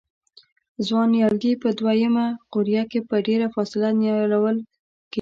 ځوان نیالګي په دوه یمه قوریه کې په ډېره فاصله نیالول کېږي.